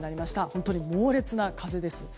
本当に猛烈な風です。